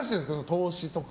投資とか。